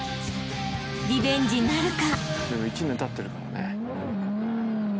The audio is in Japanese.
［リベンジなるか？］